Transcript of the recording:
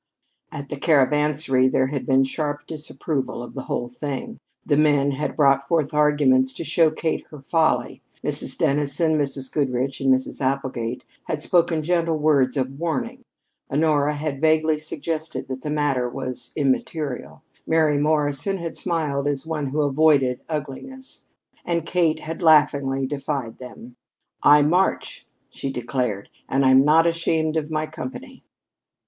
At the Caravansary there had been sharp disapproval of the whole thing. The men had brought forth arguments to show Kate her folly. Mrs. Dennison, Mrs. Goodrich, and Mrs. Applegate had spoken gentle words of warning; Honora had vaguely suggested that the matter was immaterial; Mary Morrison had smiled as one who avoided ugliness; and Kate had laughingly defied them. "I march!" she had declared. "And I'm not ashamed of my company."